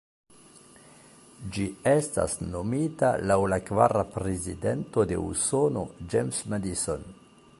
Ĝi estas nomita laŭ la kvara prezidento de Usono, James Madison.